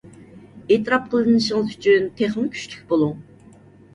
ئېتىراپ قىلىنىشىڭىز ئۈچۈن تېخىمۇ كۈچلۈك بولۇڭ!